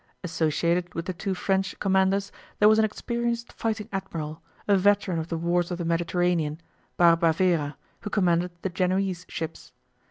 Associated with the two French commanders there was an experienced fighting admiral, a veteran of the wars of the Mediterranean, Barbavera, who commanded the Genoese ships.